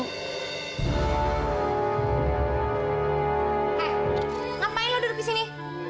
hei ngapain lo duduk disini